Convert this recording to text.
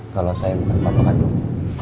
kalau saya bukan bapak kandung